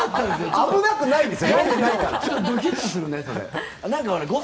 危なくないです。